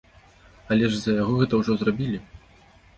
Але ж за яго гэта ўжо зрабілі.